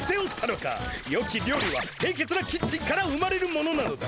よき料理はせいけつなキッチンから生まれるものなのだ。